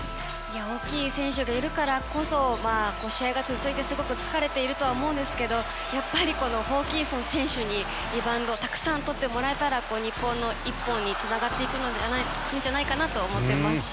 大きい選手がいるからこそ試合が続いてすごく疲れているとは思うんですがやっぱりホーキンソン選手にリバウンドたくさん取ってもらえたら日本の１本につながっていくんじゃないかなと思っています。